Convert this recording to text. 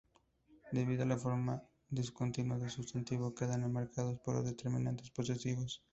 Debido a la forma discontinua, el sustantivo quedan enmarcado por los determinantes posesivos.